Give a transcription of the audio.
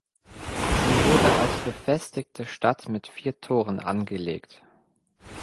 Sie wurde als befestigte Stadt mit vier Toren angelegt.